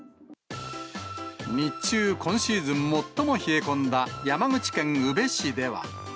日中、今シーズン最も冷え込んだ山口県宇部市では。